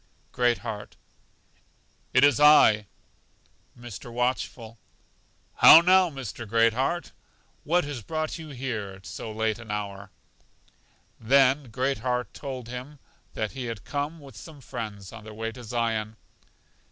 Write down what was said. Great heart: It is I Mr. Watchful: How now, Mr. Great heart? What has brought you here at so late an hour? Then Great heart told him that he had come with some friends on their way to Zion.